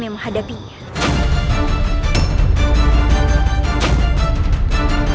aku minta sisinya menygonkfcp narnya